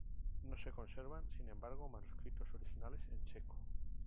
No se conservan, sin embargo, manuscritos originales en checo.